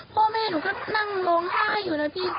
พ่อแม่หนูก็นั่งร้องไห้อยู่นะพี่